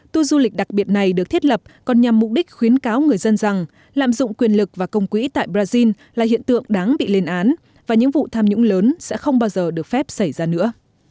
tuô du lịch đặc biệt này được thiết lập còn nhằm mục đích khuyến cáo người dân rằng lạm dụng quyền lực và công quỹ tại brazil là hiện tượng đáng bị lên án và những vụ tham nhũng lớn sẽ không bao giờ được phép xảy ra nữa